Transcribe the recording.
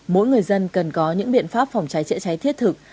mỗi người dân cần có những biện pháp phòng cháy chữa cháy thiết thực